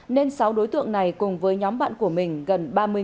nên sáu đối tượng này cùng với nhóm bạn của mình gần ba mươi